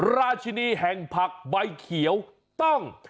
ราชินีแห่งผักใบเขียวต้อง